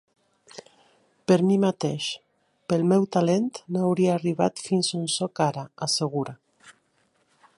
Per mi mateix, pel meu talent, no hauria arribat fins on sóc ara, assegura.